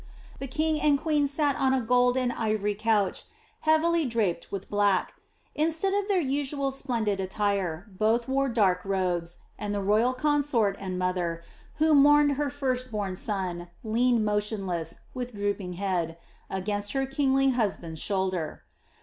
The king and queen sat on a gold and ivory couch, heavily draped with black. Instead of their usual splendid attire, both wore dark robes, and the royal consort and mother, who mourned her first born son, leaned motionless, with drooping head, against her kingly husband's shoulder.